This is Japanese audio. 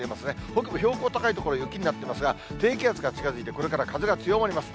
北部、標高高い所、雪になってますが、低気圧が近づいて、これから風が強まります。